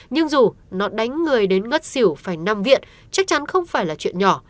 nhưng dù nó đánh người đến ngất xỉu phải nằm viện chắc chắn không phải là chuyện nhỏ